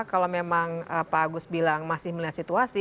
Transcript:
kalau memang pak agus bilang masih melihat situasi